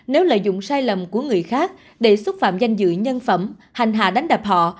nếu lợi dụng sai lầm của người khác để xúc phạm danh dự nhân phẩm hành hạ đánh đập họ